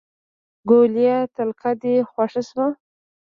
ګوليه تلک دې خوښ شو.